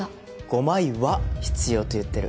「５枚“は”必要」と言ってる。